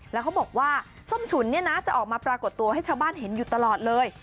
แล้วเขาบอกว่าส้มฉุนเนี่ยนะจะออกมาปรากฏตัวให้ชาวบ้านเห็นอยู่ตลอดเลย